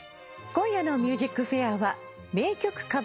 今夜の『ＭＵＳＩＣＦＡＩＲ』は。